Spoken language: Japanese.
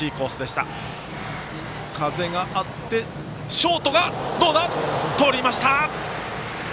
ショートがとりました。